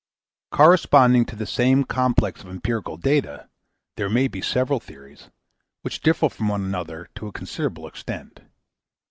Corresponding to the same complex of empirical data, there may be several theories, which differ from one another to a considerable extent.